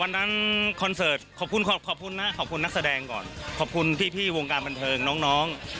วันนั้นคอนเสิร์ตขอบคุณนะขอบคุณนักแสดงก่อนขอบคุณพี่วงการบันเทิงน้อง